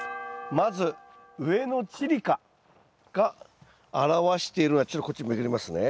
まず上のチリカが表しているのはちょっとこっちめくりますね。